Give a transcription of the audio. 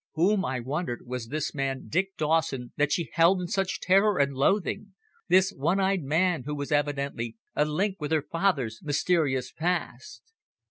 Whom, I wondered, was this man Dick Dawson that she held in such terror and loathing this one eyed man who was evidently a link with her father's mysterious past?